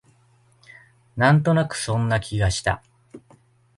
なんとなくそんな気がした